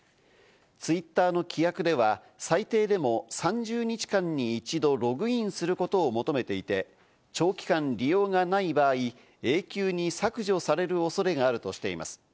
ツイッターの規約では最低でも３０日間に１度ログインすることを求めていて、長期間利用がない場合、永久に削除される恐れがあるとしています。